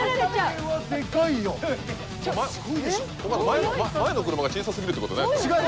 前の車が小さすぎるってことない？